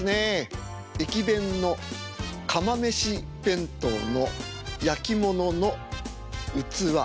駅弁の釜めし弁当の焼き物の器。